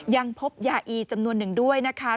ยังพบยาอีจำนวนหนึ่งด้วยนะคะ